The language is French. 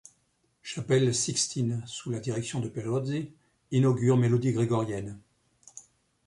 Chapelle Sixtine, sous la direction de Perosi, inaugure mélodies grégoriennes.